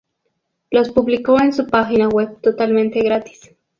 Los publicó en su página web totalmente gratis.